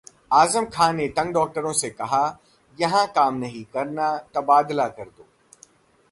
आजम खान से तंग डॉक्टरों ने कहा- यहां काम नहीं करना, तबादला कर दो